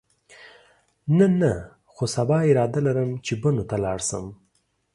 نن نه، خو سبا اراده لرم چې بنو ته لاړ شم.